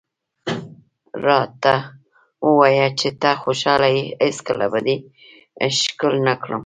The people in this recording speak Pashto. راته ووایه چې ته خوشحاله یې، هېڅکله به دې ښکل نه کړم.